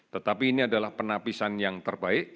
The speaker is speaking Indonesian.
tetapi ini adalah penapisan yang terbaik